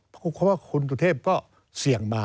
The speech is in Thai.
เพราะว่าคุณสุเทพก็เสี่ยงมา